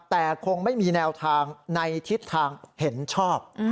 แต่คงไม่มีแนวทางในทิศทางเห็นชอบ